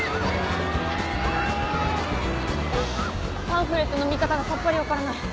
パンフレットの見方がさっぱり分からない。